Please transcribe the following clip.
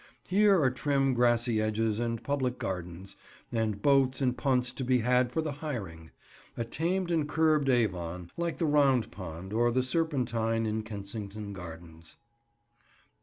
Here are trim grassy edges and public gardens; and boats and punts to be had for the hiring: a tamed and curbed Avon, like the Round Pond or the Serpentine in Kensington Gardens.